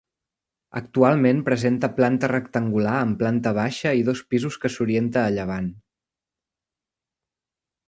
Actualment presenta planta rectangular amb planta baixa i dos pisos que s'orienta a llevant.